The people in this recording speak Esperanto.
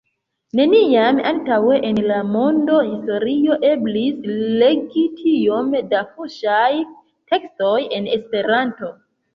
Neniam antaŭe en la monda historio eblis legi tiom da fuŝaj tekstoj en Esperanto.